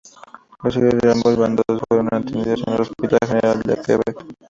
Los heridos de ambos bandos fueron atendidos en el Hospital General de Quebec.